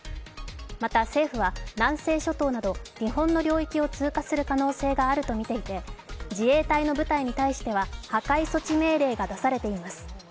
また、政府は南西諸島など日本の領域を通過する可能性があるとみていて自衛隊の部隊に対しては破壊措置命令が出されています。